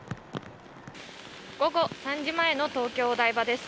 午後３時前の東京・お台場です。